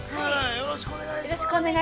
◆よろしくお願いします。